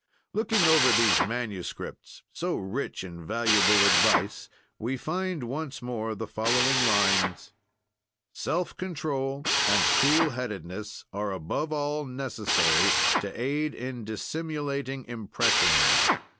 Looking over these manuscripts, so rich in valuable advice, we find once more the following lines: "Self control and cool headedness are above all necessary to aid in dissimulating impressions.